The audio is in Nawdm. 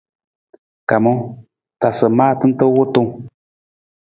Kamang, tasa maata nta wutung.